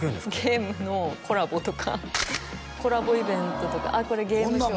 ゲームのコラボとかコラボイベントとかあっこれゲームショウ